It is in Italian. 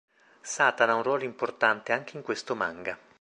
Satana ha un ruolo importante anche in questo manga.